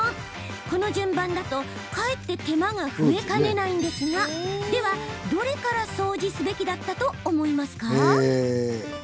この順番だと、かえって手間が増えかねないんですがでは、どれから掃除すべきだったと思いますか？